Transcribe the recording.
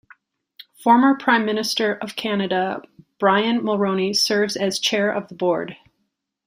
Former Prime Minister of Canada Brian Mulroney serves as chair of the board.